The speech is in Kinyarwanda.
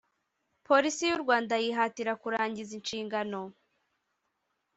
Polisi y u Rwanda yihatira kurangiza inshingano